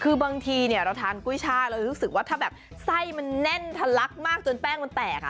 คือบางทีเนี่ยเราทานกุ้ยช่าเราจะรู้สึกว่าถ้าแบบไส้มันแน่นทะลักมากจนแป้งมันแตก